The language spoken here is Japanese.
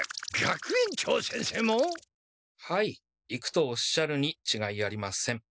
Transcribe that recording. はい行くとおっしゃるにちがいありません。